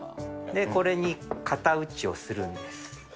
これに型打ちをするんです。